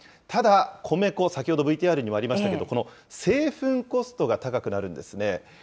ただ、米粉、先ほどＶＴＲにもありましたけれども、この製粉コストが高くなるんですね。